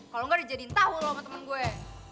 kalau enggak dijadiin tahu lo sama temen gue